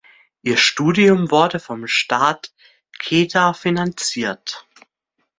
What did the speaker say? Ihr Studium wurde vom Staat Kedah finanziert.